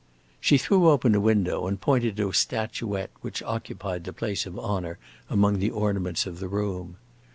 She threw open a window and pointed to a statuette which occupied the place of honor among the ornaments of the room.